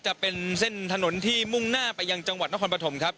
จะเป็นเส้นถนนที่มุ่งหน้าไปยังจังหวัดนครปฐมครับ